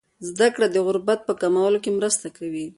زده کړه د غربت په کمولو کې مرسته کوي.